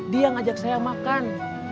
dia ngajak saya makan